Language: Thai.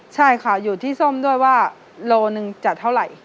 ใช่ค่ะอยู่ที่ส้มด้วยว่าโลหนึ่งจะเท่าไหร่